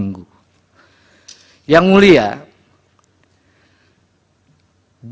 dari dari dari dari